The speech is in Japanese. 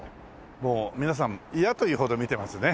もう皆さん嫌というほど見てますね。